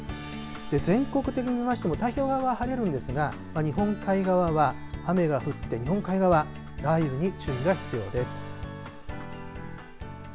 全国的に見ましても太平洋側は晴れるんですが日本海側は雨が降って、日本海側雷雨に注意が必要です。